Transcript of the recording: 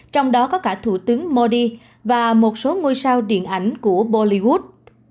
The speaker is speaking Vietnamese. trong đó có cả thủ tướng modi và một số ngôi sao điện ảnh của bolivod